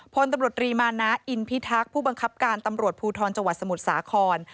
พลตำรวจรีมานะอินพิทักษ์ผู้บังคับการตำรวจภูทรจังหวัดสมุทรสาคร